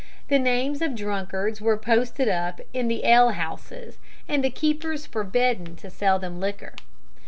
The names of drunkards were posted up in the alehouses, and the keepers forbidden to sell them liquor.